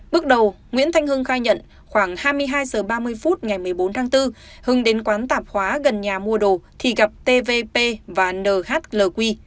bước đầu nguyễn thanh hưng khai nhận khoảng hai mươi hai h ba mươi phút ngày một mươi bốn tháng bốn hưng đến quán tạp khóa gần nhà mua đồ thì gặp tvp và nhlq